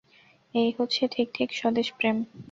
এই হচ্ছে ঠিক ঠিক স্বদেশপ্রেম।